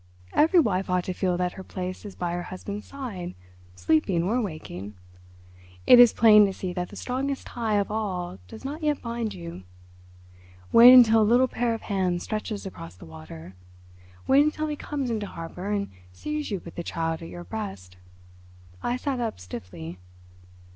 Every wife ought to feel that her place is by her husband's side—sleeping or waking. It is plain to see that the strongest tie of all does not yet bind you. Wait until a little pair of hands stretches across the water—wait until he comes into harbour and sees you with the child at your breast." I sat up stiffly.